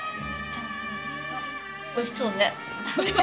あっおいしそうね。